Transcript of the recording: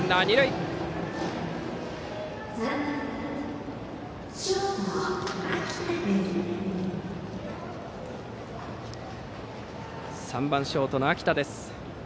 打席には３番ショートの秋田です。